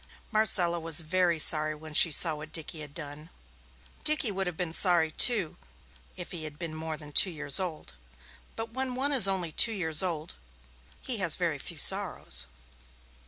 Marcella was very sorry when she saw what Dickie had done. Dickie would have been sorry, too, if he had been more than two years old, but when one is only two years old, he has very few sorrows.